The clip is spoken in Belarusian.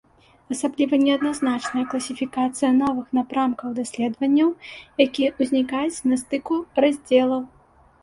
Асабліва неадназначная класіфікацыя новых напрамкаў даследаванняў, якія ўзнікаюць на стыку раздзелаў.